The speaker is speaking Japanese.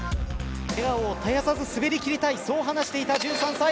笑顔を絶やさず滑りきりたい、そう話していた１３歳。